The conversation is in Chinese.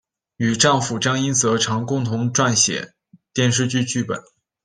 与丈夫张英哲常共同撰写电视剧剧本。